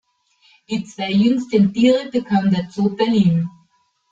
Die zwei jüngsten Tiere bekam der Zoo Berlin.